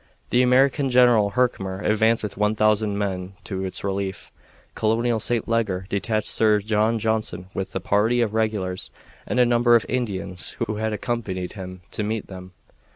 The American General Herkimer advanced with one thousand men to its relief. Colonel St. Leger detached Sir John Johnson with a party of regulars and a number of Indians, who had accompanied him, to meet them.